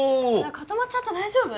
固まっちゃって大丈夫？